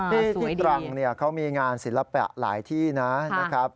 ที่ศูนย์ตรังเขามีงานศิลปะหลายที่นะครับ